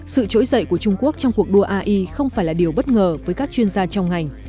sự trỗi dậy của trung quốc trong cuộc đua ai không phải là điều bất ngờ với các chuyên gia trong ngành